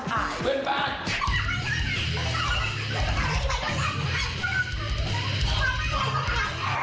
เพื่อนบ้าน